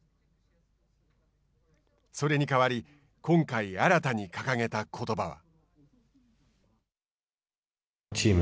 それに代わり、今回新たに掲げたことばは。